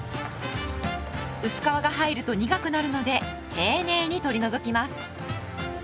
薄皮が入ると苦くなるので丁寧に取り除きます。